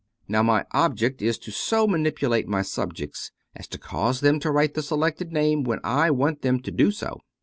Now my object is to so manipulate my subjects as to cause them to write the selected name when I want them to do so.